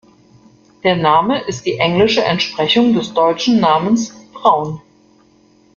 Der Name ist die englische Entsprechung des deutschen Namens Braun.